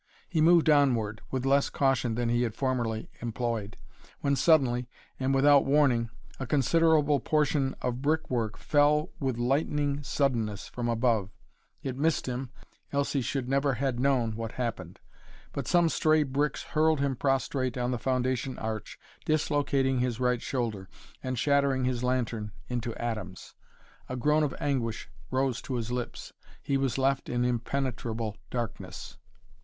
He moved onward, with less caution than he had formerly employed, when suddenly and without warning a considerable portion of brickwork fell with lightning suddenness from above. It missed him, else he should never had known what happened. But some stray bricks hurled him prostrate on the foundation arch, dislocating his right shoulder, and shattering his lantern into atoms. A groan of anguish rose to his lips. He was left in impenetrable darkness.